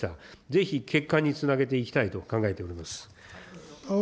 ぜひ結果につなげていきたいと考えております。